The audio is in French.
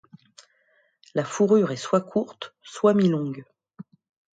La fourrure est soit courte, soit mi-longue.